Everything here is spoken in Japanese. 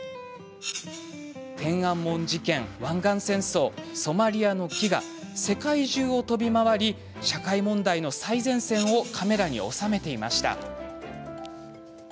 天安門事件湾岸戦争ソマリアの飢餓世界中を飛び回り社会問題の最前線をカメラに収めていました。